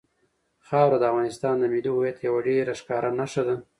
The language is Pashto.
خاوره د افغانستان د ملي هویت یوه ډېره ښکاره نښه ده.